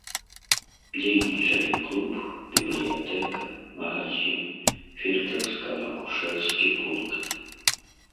Дзейнічалі клуб, бібліятэка, магазін, фельчарска-акушэрскі пункт.